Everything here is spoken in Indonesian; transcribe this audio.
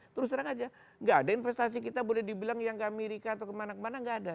terus terang aja nggak ada investasi kita boleh dibilang yang ke amerika atau kemana kemana nggak ada